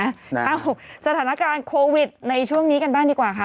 เอ้าสถานการณ์โควิดในช่วงนี้กันบ้างดีกว่าค่ะ